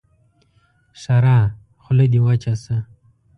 ښېرا: خوله دې وچه شه!